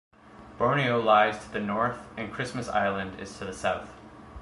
Borneo lies to the north and Christmas Island is to the south.